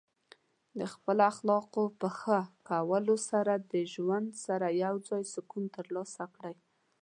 د خپل اخلاقو په ښه کولو سره د ژوند سره یوځای سکون ترلاسه کړئ.